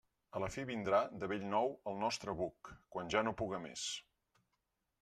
A la fi vindrà, de bell nou, al nostre buc, quan ja no puga més.